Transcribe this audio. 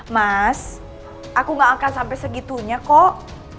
mas aku gak akan sampai segitunya kok